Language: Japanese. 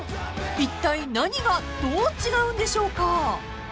［いったい何がどう違うんでしょうか］